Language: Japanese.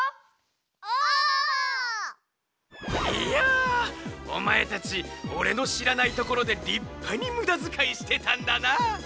いやおまえたちおれのしらないところでりっぱにむだづかいしてたんだな。